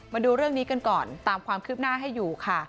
มาดูเรื่องนี้กันก่อนตามความคืบหน้าให้อยู่ค่ะ